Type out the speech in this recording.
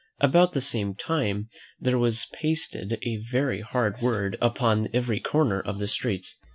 About the same time there was pasted a very hard word upon every corner of the streets.